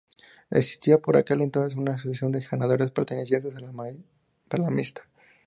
Existía por aquel entonces una asociación de ganaderos perteneciente a la Mesta.